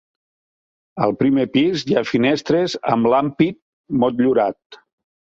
Al primer pis hi ha finestres amb l'ampit motllurat.